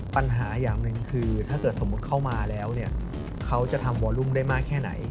ปัญหาอย่างหนึ่งคือถ้าเกิดสมมุติเข้ามาแล้วเนี่ยเขาจะทำวอลุ่มได้มากแค่ไหน